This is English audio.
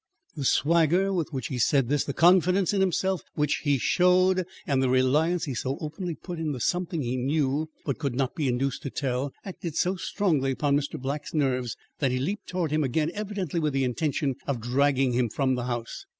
The swagger with which he said this, the confidence in himself which he showed and the reliance he so openly put in the something he knew but could not be induced to tell, acted so strongly upon Mr. Black's nerves, that he leaped towards him again, evidently with the intention of dragging him from the house.